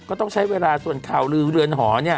ก็ต้องใช้เวลาส่วนข่าวลือเรือนหอเนี่ย